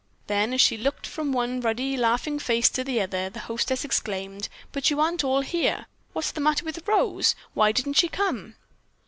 Then as she looked from one ruddy, laughing face to another, the hostess exclaimed: "But you aren't all here. What's the matter with Rose? Why didn't she come?"